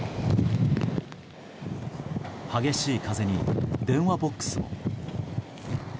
激しい風に電話ボックスも。